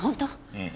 うん。